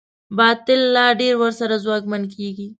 باطل لا ډېر ورسره ځواکمن کېږي.